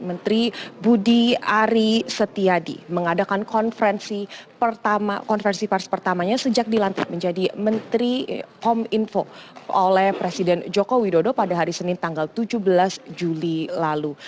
menteri budi ari setiadi mengadakan konferensi pers pertamanya sejak dilantik menjadi menteri kominfo oleh presiden joko widodo pada hari senin tanggal tujuh belas juli lalu